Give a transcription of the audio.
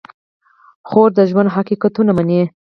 خور د ژوند حقیقتونه مني.